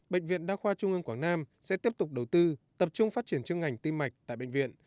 bệnh viện đa khoa trung ương quảng nam sẽ tiếp tục đầu tư tập trung phát triển chương ngành tiêm mạch tại bệnh viện